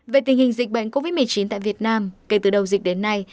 về tình hình dịch bệnh covid một mươi chín tại việt nam kể từ đầu dịch đến nay